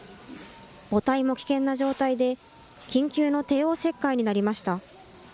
母体も危険な状態で、緊急の帝王切開になりました。